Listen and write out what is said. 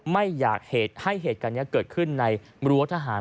ไม่อยากให้เหตุการณ์นี้เกิดขึ้นในรั้วทหาร